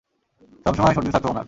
সবসময় সর্দি থাকতো উনার।